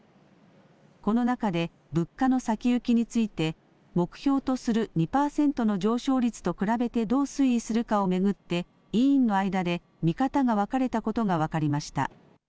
この中で物価の先行きについて目標とする２％の上昇率と比べてどう推移するかを巡って委員の間で見方が分かれたことが分かりました。